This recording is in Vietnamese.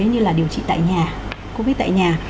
như là điều trị tại nhà